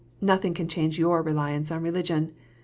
Nothing can change your reliance on religion.